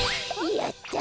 やった！